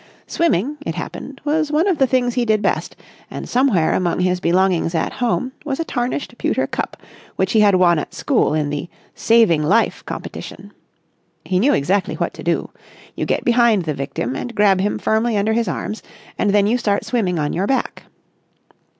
Swimming, it happened, was one of the things he did best, and somewhere among his belongings at home was a tarnished pewter cup which he had won at school in the "Saving Life" competition. He knew exactly what to do. You get behind the victim and grab him firmly under his arms, and then you start swimming on your back.